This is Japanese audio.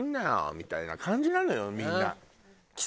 みたいな感じなのよみんな。